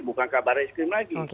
bukan kabar eskrim lagi